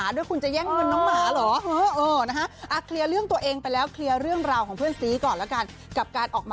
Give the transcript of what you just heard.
หยิกนะหยิกนะอย่าเอาหน้าหยิกหยิกนะหยิกนะอย่าเอาหน้าหยิกนะ